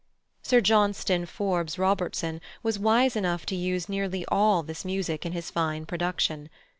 Sir Johnston Forbes Robertson was wise enough to use nearly all this music in his fine production.